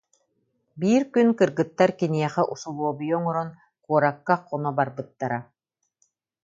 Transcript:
Биир күн кыргыттар киниэхэ усулуо- буйа оҥорон куоракка хоно барбыттара